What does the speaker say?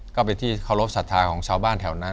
ก็เป็นที่เคารพสัทธาของชาวบ้านแถวนั้น